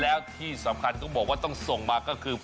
แล้วที่สำคัญต้องบอกว่าต้องส่งมาก็คือ